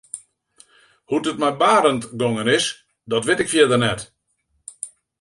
Hoe't it mei Barend gongen is dat wit ik fierder net.